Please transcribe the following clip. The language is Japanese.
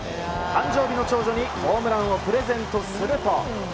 誕生日の長女にホームランをプレゼントすると。